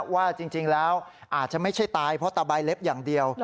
ว่าจริงแล้วอาจจะไม่ใช่ตายเพราะตะใบเล็บอย่างเดียว